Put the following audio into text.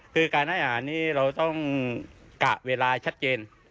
คือการให้อาหารนี้เราต้องกะเวลาชัดเจน